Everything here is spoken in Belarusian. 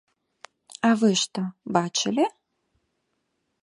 А вы што, бачылі?